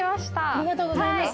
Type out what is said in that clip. ありがとうございます。